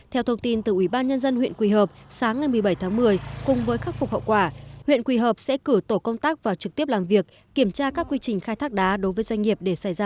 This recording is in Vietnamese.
theo thông tin từ ủy ban nhân dân huyện quỳ hợp sáng ngày một mươi bảy tháng một mươi cùng với khắc phục hậu quả huyện quỳ hợp sẽ cử tổ công tác vào trực tiếp làm việc kiểm tra các quy trình khai thác đá đối với doanh nghiệp để xảy ra